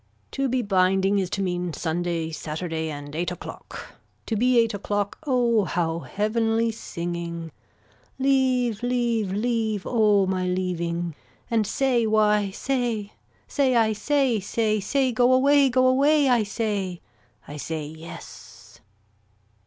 To be binding is to mean Sunday Saturday and eight o'clock. To be eight o'clock oh how heavenly singing. Leave Leave Leave oh my leaving and say why say, say I say say say go away go away I say. I say yes.